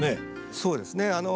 そうですね。